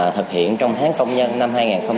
thực hiện trong tháng công nhân năm hai nghìn hai mươi bốn